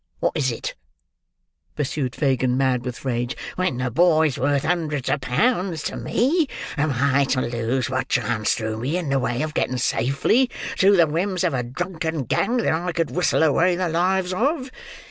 "What is it?" pursued Fagin, mad with rage. "When the boy's worth hundreds of pounds to me, am I to lose what chance threw me in the way of getting safely, through the whims of a drunken gang that I could whistle away the lives of!